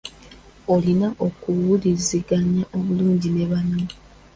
Olina okuwuliziganya obulungi ne banno.